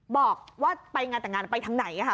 บอกว่าไปงานแต่งงานไปทางไหน